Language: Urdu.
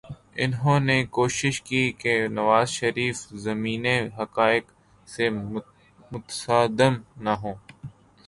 انہوں نے کوشش کی کہ نواز شریف زمینی حقائق سے متصادم نہ ہوں۔